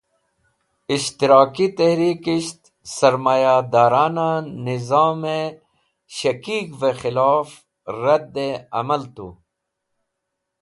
Ishtiraki Tehrikisht Sarmaya darana nizome Shakig̃h ve Khilof Radde Amal tu.